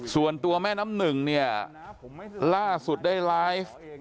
ส่วนตัวแม่น้ำหนึ่งเนี่ยล่าสุดได้ไลฟ์